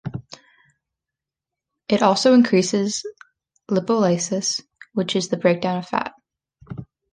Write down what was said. It also increases lipolysis, which is the breakdown of fat.